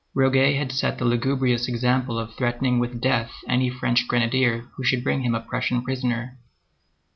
Roguet had set the lugubrious example of threatening with death any French grenadier who should bring him a Prussian prisoner.